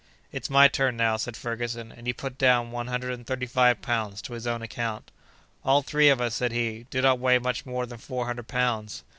"It's my turn now," said Ferguson—and he put down one hundred and thirty five pounds to his own account. "All three of us," said he, "do not weigh much more than four hundred pounds."